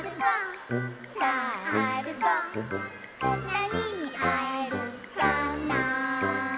「なににあえるかな」